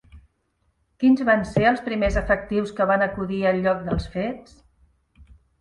Quins van ser els primers efectius que van acudir al lloc dels fets?